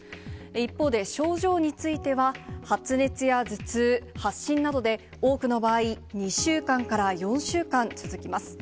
一方で症状については、発熱や頭痛、発疹などで、多くの場合、２週間から４週間続きます。